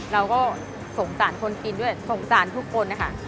เราก็สงสารคนกินด้วยสงสารทุกคนนะคะ